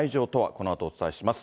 このあとお伝えします。